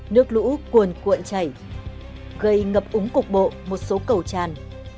nước lũ cuồn cuộn chảy gây ngập úng cục bộ một số cầu tràn